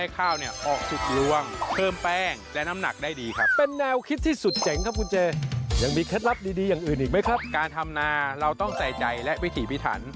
การปลูกข้าวต้องใส่ใจและพิถีพิถัน